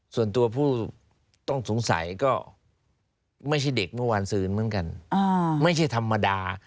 ส่วนตัวผู้ต้องสงสัยก็ไม่ใช่เด็กเมื่อวานซืนเหมือนกันไม่ใช่ธรรมดา